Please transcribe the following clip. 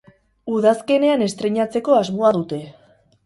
Udazkenean estreinatzeko asmoa dute.